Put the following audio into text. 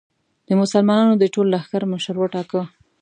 د مسلمانانو د ټول لښکر مشر وټاکه.